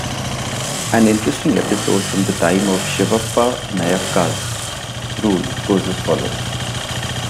An interesting episode from the time of Shivappa Nayaka's rule goes as follows.